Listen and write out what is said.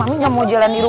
akhirnya how powder sama lu